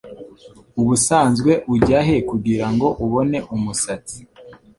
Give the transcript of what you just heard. Ubusanzwe ujya he kugirango ubone umusatsi?